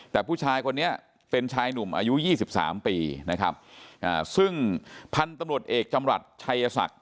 แต่ผู้ชายคนนี้เป็นชายหนุ่มอายุยี่สิบสามปีนะครับซึ่งพันธุ์ตำรวจเอกจำรัฐชัยศักดิ